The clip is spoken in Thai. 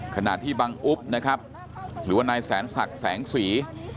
ขณะที่บังอุ๊บนะครับหรือว่านายแสนศักดิ์แสงสี